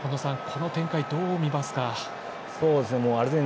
この展開どう見ますか？